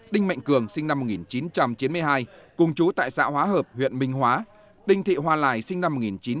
đinh mạnh cường sinh năm một nghìn chín trăm chín mươi hai cùng chú tại xã hóa hợp huyện minh hóa đinh thị hoa lài sinh năm một nghìn chín trăm chín mươi